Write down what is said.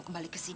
kembali ke sini